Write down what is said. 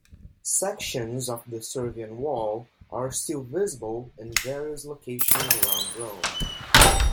Sections of the Servian Wall are still visible in various locations around Rome.